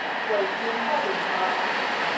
衛生福利部